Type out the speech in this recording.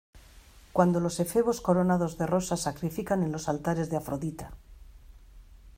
cuando los efebos coronados de rosas sacrifican en los altares de Afrodita.